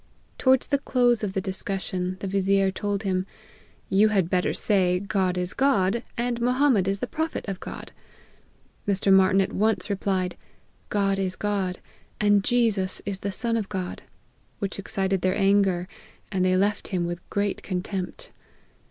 Towards the close of the discussion the vizier told him, " You had better say, God is God, and Mohammed is the prophet of God ;" Mr. Martyn at once replied, " God is : God, and Jesus is the Son of God," which excited their anger, and they left him with great contempt.